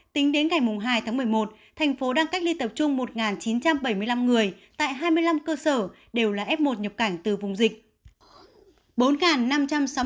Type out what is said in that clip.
tính đến ngày hai tháng một mươi một thành phố đang cách ly tập trung một chín trăm bảy mươi năm người tại hai mươi năm cơ sở đều là f một nhập cảnh từ vùng dịch